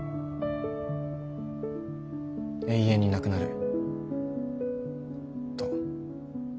永遠になくなると。